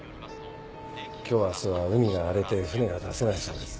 今日明日は海が荒れて船が出せないそうです。